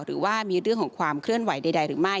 หรือว่ามีเรื่องของความเคลื่อนไหวใดหรือไม่